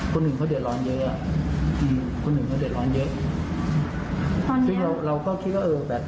ครับ